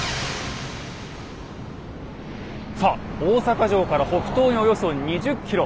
さあ大阪城から北東におよそ２０ｋｍ。